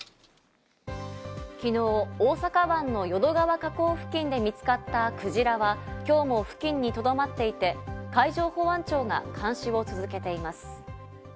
昨日、大阪湾の淀川河口付近で見つかったクジラは、今日も付近にとどまっていて、海上保安庁が監視を続けています。